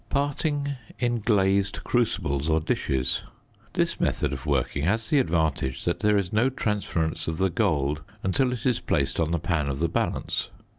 Parting in glazed crucibles or dishes. This method of working has the advantage that there is no transference of the gold until it is placed on the pan of the balance.